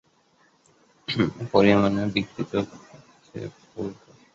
অল্প পরিমাণে বিক্ষিপ্ত গুচ্ছে ফুল ফোটে।